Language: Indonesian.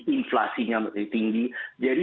inflasinya tinggi jadi